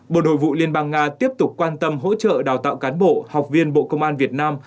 bộ đội vụ liên bang nga tiếp tục quan tâm hỗ trợ đào tạo cán bộ học viên bộ công an việt nam